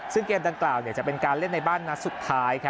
ซึ่งเกมดังกล่าวจะเป็นการเล่นในบ้านนัดสุดท้าย